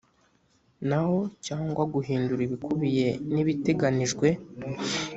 naho cyangwa guhindura ibikubiye n ibiteganijwe